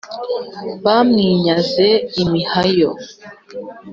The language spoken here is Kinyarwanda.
bamwinyaze imihayo,